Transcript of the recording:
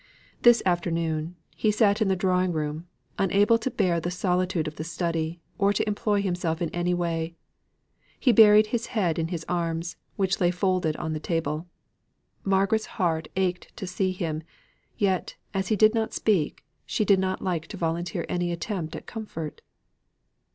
This afternoon, he sat in the drawing room, unable to bear the solitude of his study, or to employ himself in any way. He buried his head in his arms, which lay folded on the table. Margaret's heart ached to see him; yet, as he did not speak, she did not like to volunteer any attempt at comfort.